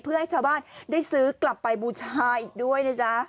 เพื่อให้ชาวบ้านได้ซื้อกลับไปบูชาอีกด้วยนะจ๊ะ